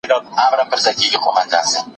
سياست داسي هڅه ده چي پای نلري.